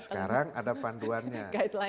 sekarang ada panduannya